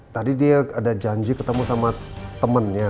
tadi dia ada janji ketemu sama temennya